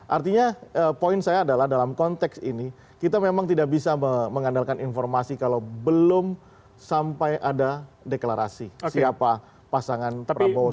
artinya poin saya adalah dalam konteks ini kita memang tidak bisa mengandalkan informasi kalau belum sampai ada deklarasi siapa pasangan prabowo subianto